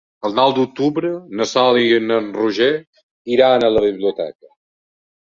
El nou d'octubre na Sol i en Roger iran a la biblioteca.